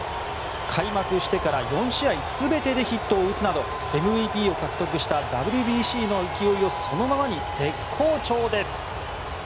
開幕してから４試合全てでヒットを打つなどＭＶＰを獲得したＷＢＣの勢いをそのままに絶好調です。